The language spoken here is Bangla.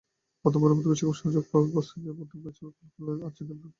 প্রথমবারের মতো বিশ্বকাপে সুযোগ পাওয়া বসনিয়া ওদের প্রথম ম্যাচটা খেলবে আর্জেন্টিনার বিপক্ষে।